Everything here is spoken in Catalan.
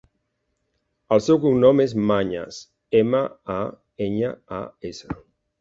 El seu cognom és Mañas: ema, a, enya, a, essa.